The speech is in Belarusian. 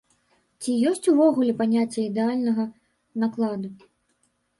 Ці ёсць увогуле паняцце ідэальнага накладу?